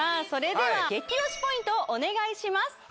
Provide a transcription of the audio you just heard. それでは激推しポイントをお願いします